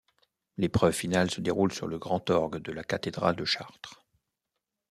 L'épreuve finale se déroule sur le grand orgue de la cathédrale de Chartres.